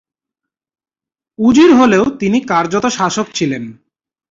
উজির হলেও তিনি কার্যত শাসক ছিলেন।